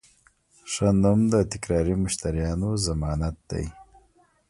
ښه نوم د تکراري مشتریانو ضمانت دی.